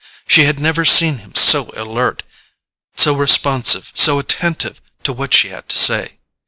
She had never seen him so alert, so responsive, so attentive to what she had to say.